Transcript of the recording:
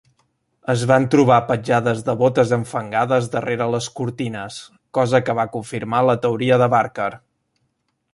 Es van trobar petjades de botes enfangades darrere les cortines, cosa que va confirmar la teoria de Barker.